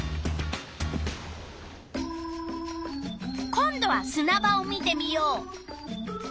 今度はすな場を見てみよう。